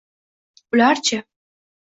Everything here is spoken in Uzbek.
Ularchi?